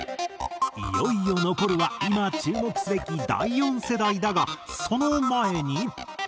いよいよ残るは今注目すべき第４世代だがその前に。